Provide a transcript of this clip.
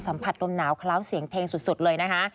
สัมผัสดมนาวเคล้าเสียงเพลงสุดเลยนะคะ